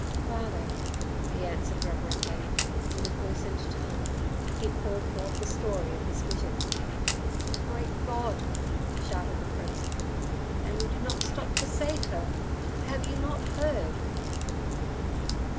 "Father," he answered reverently, and with loosened tongue he poured forth the story of his vision. "Great God!" shouted the priest, "and you did not stop to save her! Have you not heard?"